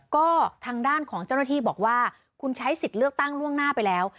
ก็ทางด้านของเจ้าหน้าที่บอกว่าคุณใช้สิทธิ์เลือกตั้งล่วงหน้าไปแล้ว